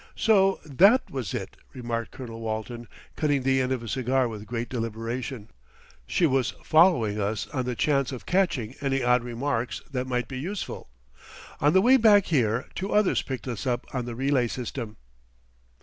"So that was it," remarked Colonel Walton, cutting the end of a cigar with great deliberation. "She was following us on the chance of catching any odd remarks that might be useful. On the way back here two others picked us up on the relay system."